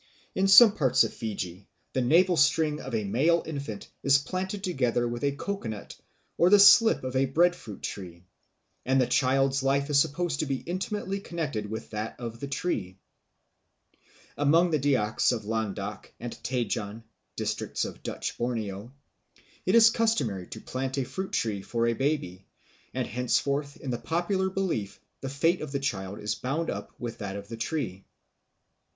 In some parts of Fiji the navel string of a male infant is planted together with a coco nut or the slip of a breadfruit tree, and the child's life is supposed to be intimately connected with that of the tree. Amongst the Dyaks of Landak and Tajan, districts of Dutch Borneo, it is customary to plant a fruit tree for a baby, and henceforth in the popular belief the fate of the child is bound up with that of the tree.